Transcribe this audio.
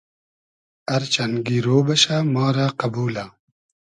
ار چئن گیرۉ بئشۂ ما رۂ قئبولۂ